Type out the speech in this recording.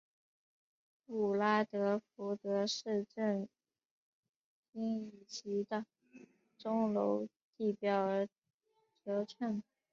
布拉德福德市政厅以其的钟楼地标而着称。